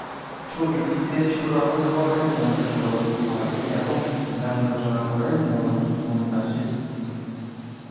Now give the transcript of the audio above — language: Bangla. ছবিটিতে সুরারোপ করেন অঙ্কিত তিওয়ারি এবং গান রচনা করেন মনোজ মুন্তাশির।